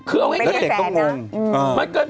ไม่ได้แฟนเนอะ